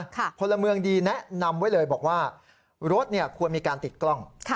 พลเมืองดีแนะนำไว้เลยบอกว่ารถเนี่ยควรมีการติดกล้อง